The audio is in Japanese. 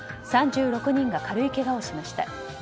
３６人が軽いけがをしました。